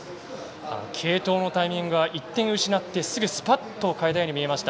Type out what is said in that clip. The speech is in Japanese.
継投のタイミングが１点失って、すぐスパッと代えたように見えました。